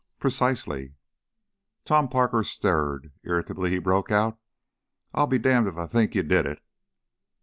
"Precisely!" Tom Parker stirred; irritably he broke out, "I'm damned if I think you did it!"